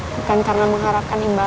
bukan karena mengharapkan imbalan kok